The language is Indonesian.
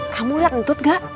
kamu liat ntut gak